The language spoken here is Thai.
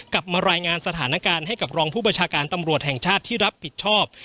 กลับมารายงานสถานการณ์ให้กับรองผู้ประชาการตำรวจแห่งชาติที่รับผิดชอบ